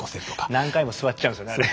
何回も座っちゃうんですよねあれ。